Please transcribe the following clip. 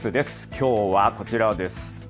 きょうはこちらです。